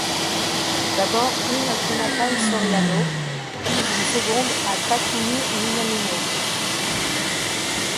D'abord une à Jonathan Soriano puis une seconde à Takumi Minamino.